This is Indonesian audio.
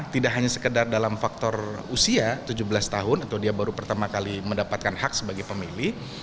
tidak hanya sekedar dalam faktor usia tujuh belas tahun atau dia baru pertama kali mendapatkan hak sebagai pemilih